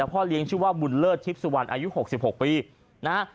พ่อเลี้ยงชื่อว่าบุญเลิศทิพย์สุวรรณอายุ๖๖ปีนะฮะ